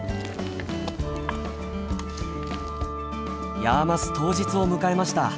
ヤーマス当日を迎えました。